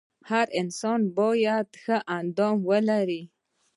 هر انسان باید ښه اندام ولري .